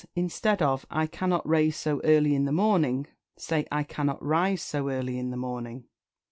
Instead of "I cannot raise so early in the morning," say "I cannot rise so early in the morning."